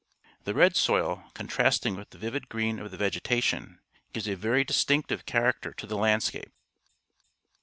The red soil, contrasting with the vivid green of the vegetation, gives a very distinc tive character to the landscape.